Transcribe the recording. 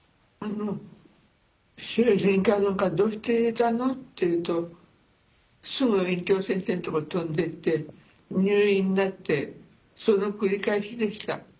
精神科なんかどうして入れたのって言うとすぐ院長先生のところに飛んでいって入院でってその繰り返しでした。